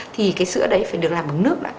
thì sữa đấy phải được làm bằng nước